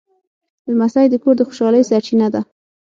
لمسی د کور د خوشحالۍ سرچینه ده.